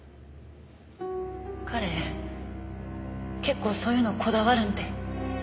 彼結構そういうのこだわるんで。